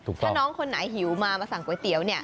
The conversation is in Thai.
ถ้าน้องคนไหนหิวมามาสั่งก๋วยเตี๋ยว